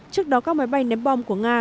trước đó các máy bay ném bom của nga